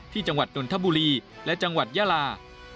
จังหวัดนนทบุรีและจังหวัดยาลา